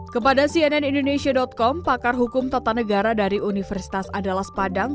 kepada cnn indonesia com pakar hukum tata negara dari universitas andalas padang